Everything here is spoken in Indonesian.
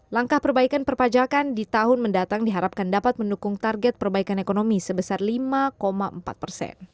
langkah perbaikan perpajakan di tahun mendatang diharapkan dapat mendukung target perbaikan ekonomi sebesar lima empat persen